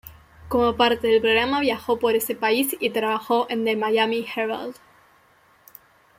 Como parte del programa viajó por ese país y trabajó en The Miami Herald.